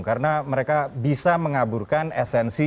karena mereka bisa mengaburkan esensi